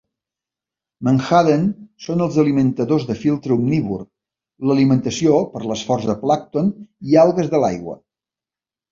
Menhaden són els alimentadors de filtre omnívor, l'alimentació per l'esforç de plàncton i algues de l'aigua.